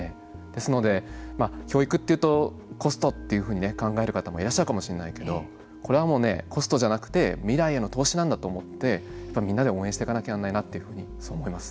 ですので、教育というとコストというふうに考える方もいらっしゃるかもしれないけどこれはもうコストじゃなくて未来への投資なんだと思ってみんなで応援していかなければならないと思います。